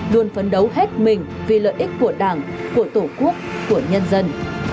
luôn phấn đấu hết mình vì lợi ích của đảng của tổ quốc của nhân dân